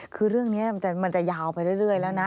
คือเรื่องนี้มันจะยาวไปเรื่อยแล้วนะ